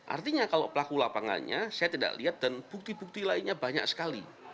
artinya kalau pelaku lapangannya saya tidak lihat dan bukti bukti lainnya banyak sekali